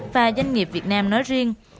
và doanh nghiệp việt nam nói riêng